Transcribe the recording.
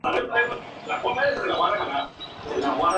Fue miembro de la Liga Nacional contra el Ateísmo.